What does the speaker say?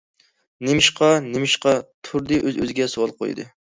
نېمىشقا؟ نېمىشقا؟ تۇردى ئۆز-ئۆزىگە سوئال قويدى.